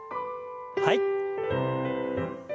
はい。